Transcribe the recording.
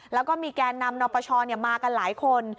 แล้วก็มีแก่นำนปชมากันหลายคน